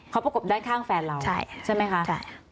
เขาประกบด้านข้างแฟนเราใช่ไหมคะ